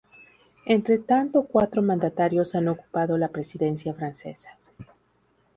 Entre tanto cuatro mandatarios han ocupado la presidencia francesa.